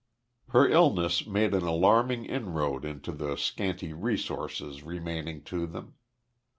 Her illness made an alarming inroad into the scanty resources remaining to them.